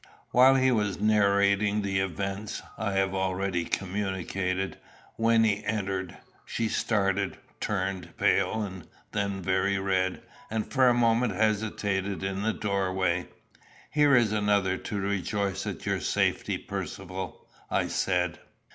While he was narrating the events I have already communicated, Wynnie entered. She started, turned pale and then very red, and for a moment hesitated in the doorway. "Here is another to rejoice at your safety, Percivale," I said.